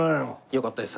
よかったです。